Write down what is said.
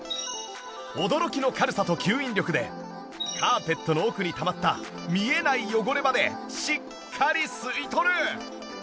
驚きの軽さと吸引力でカーペットの奥にたまった見えない汚れまでしっかり吸い取る！